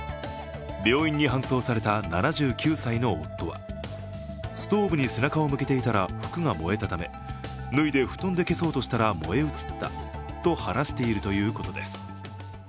病院に搬送された７９歳の夫はストーブに背中を向けていたら服が燃えたため脱いで布団で消そうとしたら燃え移ったと話しているということです。